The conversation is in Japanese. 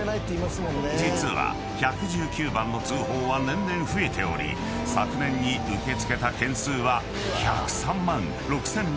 ［実は１１９番の通報は年々増えており昨年に受け付けた件数は］